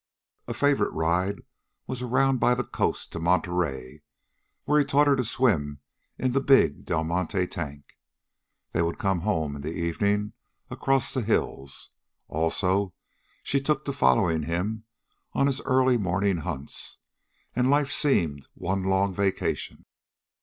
A favorite ride was around by the coast to Monterey, where he taught her to swim in the big Del Monte tank. They would come home in the evening across the hills. Also, she took to following him on his early morning hunts, and life seemed one long vacation.